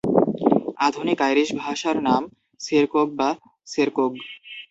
আধুনিক আইরিশ ভাষার নাম সেরকোগ বা সেরকোগ।